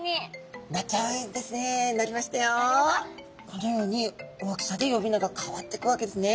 このように大きさで呼び名が変わっていくわけですね。